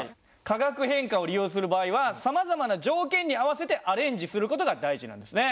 化学変化を利用する場合はさまざまな条件に合わせてアレンジする事が大事なんですね。